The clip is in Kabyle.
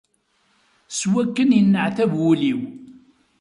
Seg wakken yenneɛtab wul-iw.